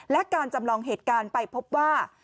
และการจำลองเหตุการณ์ไปพบว่า